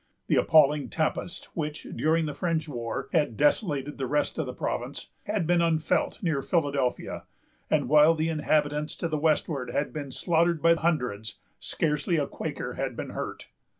The appalling tempest, which, during the French war, had desolated the rest of the province, had been unfelt near Philadelphia; and while the inhabitants to the westward had been slaughtered by hundreds, scarcely a Quaker had been hurt.